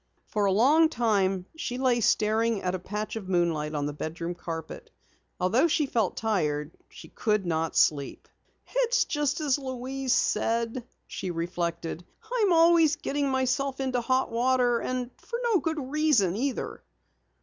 For a long while she lay staring at a patch of moonlight on the bedroom carpet. Although she felt tired she could not sleep. "It's just as Louise said," she reflected. "I'm always getting myself into hot water and for no good reason, either!"